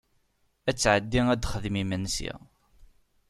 Ad tɛedi ad texdem imensi.